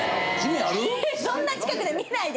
そんな近くで見ないで！